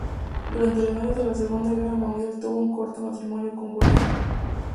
Durante los años de la Segunda Guerra Mundial tuvo un corto matrimonio con Juliane.